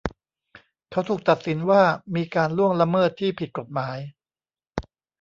เขาถูกตัดสินว่ามีการล่วงละเมิดที่ผิดกฎหมาย